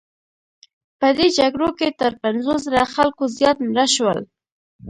په دې جګړو کې تر پنځوس زره خلکو زیات مړه شول.